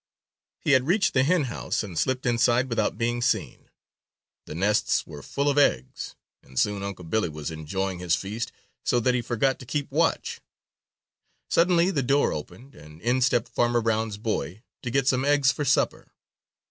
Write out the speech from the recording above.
He had reached the hen house and slipped inside without being seen. The nests were full of eggs, and soon Unc' Billy was enjoying his feast so that he forgot to keep watch. Suddenly the door opened, and in stepped Farmer Brown's boy to get some eggs for supper.